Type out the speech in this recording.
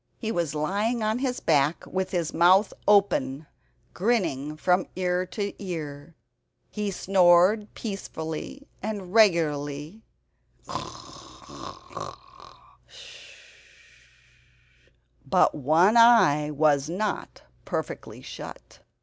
He was lying on his back with his mouth open, grinning from ear to ear. He snored peacefully and regularly; but one eye was not perfectly shut.